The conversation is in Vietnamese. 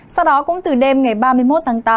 sau đó cũng từ đêm ngày ba mươi một tháng tám